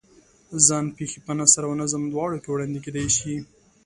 ځان پېښې په نثر او نظم دواړو کې وړاندې کېدای شي.